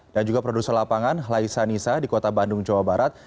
dan juga produser lapangan laisa nisa di kota bandung jawa barat